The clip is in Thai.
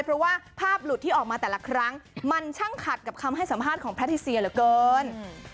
เพราะว่าภาพหลุดที่ออกมาแต่ละครั้งมันช่างขัดกับคำให้สัมภาษณ์ของแพทิเซียเหลือเกิน